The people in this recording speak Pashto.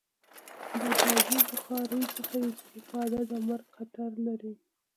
د کازی بخاری څخه استفاده د مرګ خطر لری